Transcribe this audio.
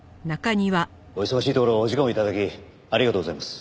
お忙しいところお時間を頂きありがとうございます。